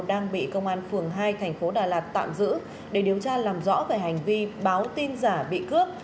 đang bị công an phường hai thành phố đà lạt tạm giữ để điều tra làm rõ về hành vi báo tin giả bị cướp